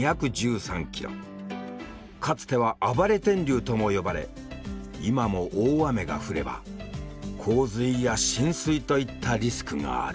かつては“暴れ天竜”とも呼ばれ今も大雨が降れば洪水や浸水といったリスクがある。